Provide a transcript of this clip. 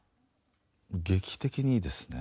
劇的にいいですね。